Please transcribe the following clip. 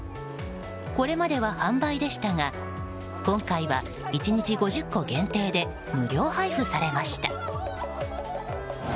これまでは販売でしたが今回は１日５０個限定で無料配布されました。